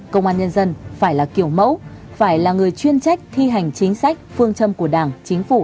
công an nhân dân phải là kiểu mẫu phải là người chuyên trách thi hành chính sách phương châm của đảng chính phủ